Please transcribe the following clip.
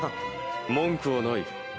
文句はない。